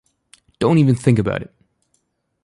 Don't even think about it!